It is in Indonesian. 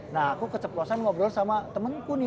nah aku keceplosan ngobrol sama temenku nih